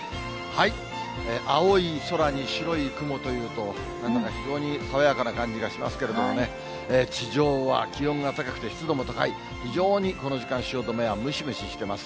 青い空に白い雲というと、なんだか非常に爽やかな感じがしますけれどもね、地上は気温が高くて湿度も高い、非常にこの時間、汐留はムシムシしています。